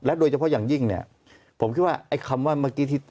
โดยเฉพาะอย่างยิ่งเนี่ยผมคิดว่าไอ้คำว่าเมื่อกี้ที่